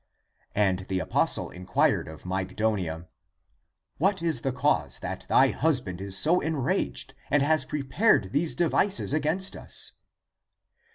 And the apostle inquired of Mygdonia, " What is the cause that thy husband is so enraged and has prepared these devices against us